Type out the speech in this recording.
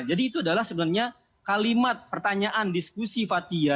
jadi itu adalah sebenarnya kalimat pertanyaan diskusi fathia